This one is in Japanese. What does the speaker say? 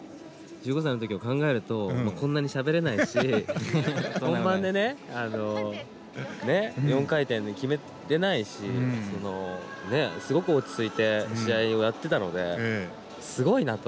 １５歳の時を考えるとこんなにしゃべれないですし本番でね４回転決めれないしすごく落ち着いて試合をやってたのですごいなと。